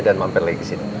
dan mampir lagi di sini